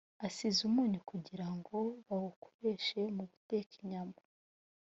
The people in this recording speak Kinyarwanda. asize umunyu kugira ngo bawukoreshe mu guteka inyama